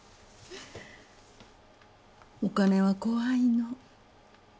お金は怖いの。